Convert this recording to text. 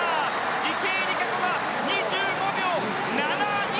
池江璃花子が２５秒７２。